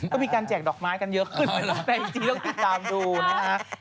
ก็มีการแจกดอกไม้กันเยอะขึ้นแต่จริงต้องติดตามดูนะฮะ